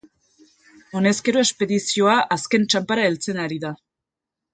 Honezkero espedizioa azken txanpara heltzen ari da.